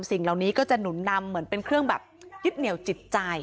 สิ่งเหล่านี้ก็จะหนุนนำเหมือนเป็นเครื่องแบบยึดเหนียวจิตใจ